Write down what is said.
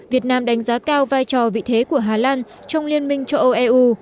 việt nam đánh giá cao vai trò vị thế của hà lan trong liên minh châu âu eu